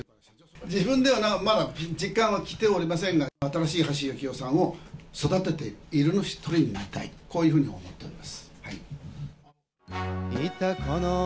自分ではまだ実感はきておりませんが、新しい橋幸夫さんを育てている１人になりたい、こういうふうに思っております。